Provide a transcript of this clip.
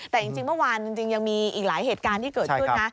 แต่จริงเมื่อวานจริงยังมีอีกหลายเหตุการณ์ที่เกิดขึ้นนะ